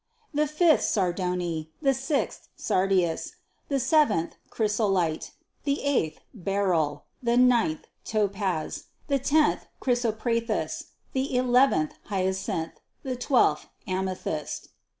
The fifth, sardony, the sixth, sardius; the seventh, chrysolite ; the eighth, beryl ; the ninth, topaz ; the tenth, chrysoprasus ; the eleventh, hyacinth; the twelfth, amethyst.